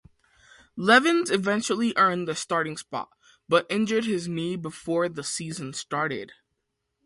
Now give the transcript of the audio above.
Levens eventually earned the starting spot, but injured his knee before the season started.